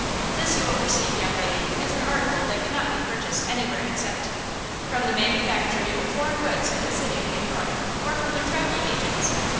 "This you will perceive, young lady, is an article that cannot be purchased anywhere except–" "From the manufactory of foreign goods in the city of New York, or from their traveling agents!"